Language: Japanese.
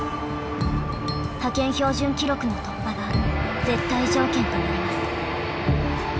派遣標準記録の突破が絶対条件となります。